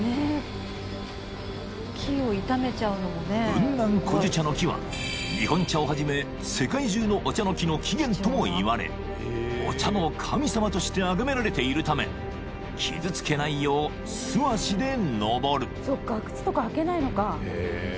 ［雲南古樹茶の木は日本茶をはじめ世界中のお茶の木の起源ともいわれお茶の神様としてあがめられているため傷つけないよう素足で登る］